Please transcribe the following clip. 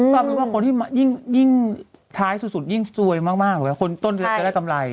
ผมคิดว่าคนที่ท้ายสุดยิ่งซวยมากคนต้นจะได้กำไร